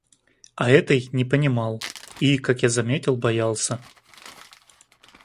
А этой не понимал и, как я заметил, боялся.